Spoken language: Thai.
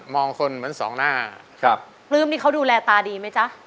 คนเหมือนสองหน้าครับปลื้มนี่เขาดูแลตาดีไหมจ๊ะ